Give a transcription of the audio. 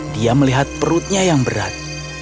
dia melihat perutnya yang berat